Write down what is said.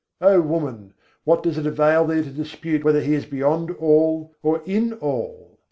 O woman, what does it avail thee to dispute whether He is beyond all or in all?